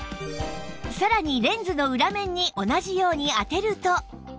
さらにレンズの裏面に同じように当てると